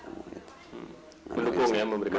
mendukung ya memberikan